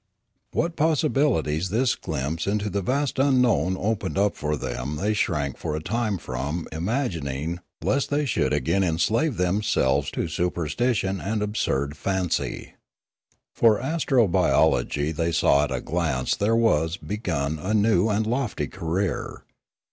What possibilities this glimpse into the vast unknown opened up for them they shrank for a time from im agining, lest they should again enslave themselves to superstition and absurd fancy. For astrobiology they saw at a glance there was begun a new and lofty career.